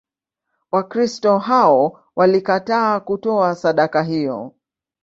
Wakristo hao walikataa kutoa sadaka hiyo.